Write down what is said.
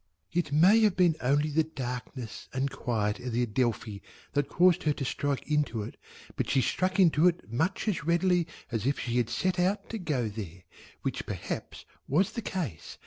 It may have been only the darkness and quiet of the Adelphi that caused her to strike into it but she struck into it much as readily as if she had set out to go there, which perhaps was the case.